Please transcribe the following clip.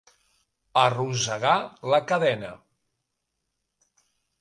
Arrossegar la cadena.